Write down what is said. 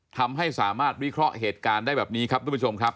ทำให้สามารถวิเคราะห์เหตุการณ์ได้แบบนี้ครับทุกผู้ชมครับ